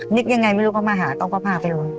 นิดยังไงไม่รู้ว่ามาหาต้องก็พาไปเลย